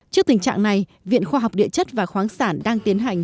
trước tình trạng này viện khoa học địa chất và khoáng sản đang tiến hành